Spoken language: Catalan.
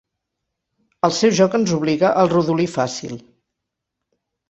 El seu joc ens obliga al rodolí fàcil.